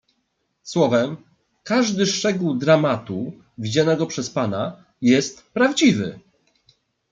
"Słowem, każdy szczegół dramatu, widzianego przez pana, jest prawdziwy."